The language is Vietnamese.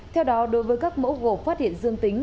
theo đó đối với các mẫu gộp phát hiện dương tính